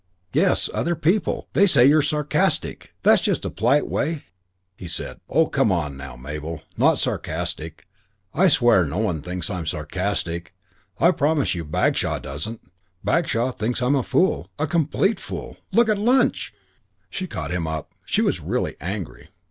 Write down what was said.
"Yes. Other people. They say you're sarcastic. That's just a polite way " He said, "Oh, come now, Mabel. Not sarcastic. I swear no one thinks I'm sarcastic. I promise you Bagshaw doesn't. Bagshaw thinks I'm a fool. A complete fool. Look at lunch!" She caught him up. She was really angry.